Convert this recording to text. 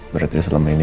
berarti selama ini